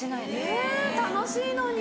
・えぇ楽しいのに・